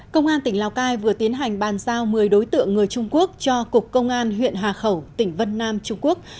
công an tỉnh lào cai vừa tiến hành bàn giao một mươi đối tượng người trung quốc cho cục công an huyện hà khẩu tỉnh vân nam trung quốc